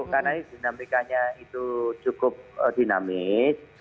karena dinamikanya itu cukup dinamis